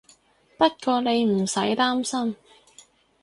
不過你唔使擔心